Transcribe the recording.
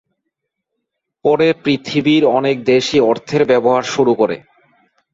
পরে পৃথিবীর অনেক দেশই অর্থের ব্যবহার শুরু করে।